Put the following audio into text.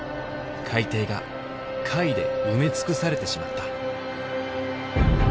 海底が貝で埋め尽くされてしまった。